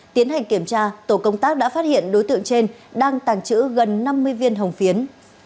tiến hành kiểm tra tổ công tác đã phát hiện đối tượng trên đang tàng trữ gần năm mươi viên hồng phiến